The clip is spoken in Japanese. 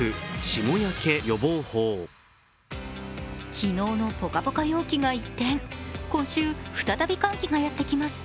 昨日のぽかぽか陽気が一転、今週、再び寒気がやってきます。